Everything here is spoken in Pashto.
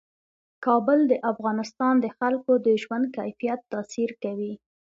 کابل د افغانستان د خلکو د ژوند کیفیت تاثیر کوي.